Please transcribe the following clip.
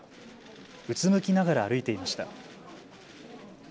うつむきながら歩いていました。